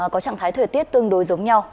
có trạng thái thời tiết tương đối giống nhau